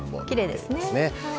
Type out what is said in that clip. きれいですね。